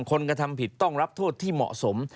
กระทำผิดต้องรับโทษที่เหมาะสม